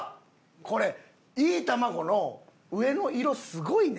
これいい卵の上の色すごいね！